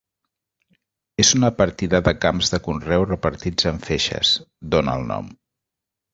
És una partida de camps de conreu repartits en feixes, d'on el nom.